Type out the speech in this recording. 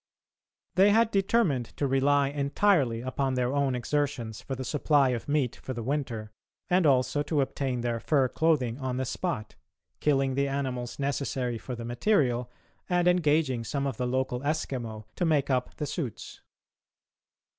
They had determined to rely entirely upon their own exertions for the supply of meat for the winter and also to obtain their fur clothing on the spot, killing the animals necessary for the material and engaging some of the local Eskimo to make up the suits.